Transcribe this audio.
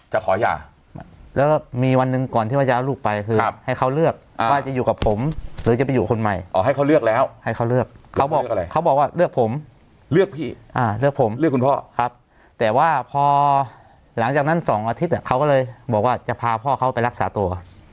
หลังจากนั้น๒อาทิตย์เขาก็เลยบอกว่าจะพาพ่อเขาไปรักษาตัว